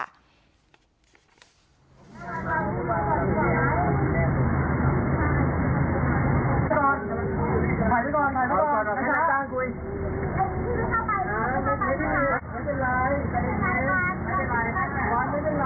อ๋ออะไรอย่างนี้ค่ะอะไรอย่างนี้ค่ะพูดไงค่ะใจเย็นค่ะ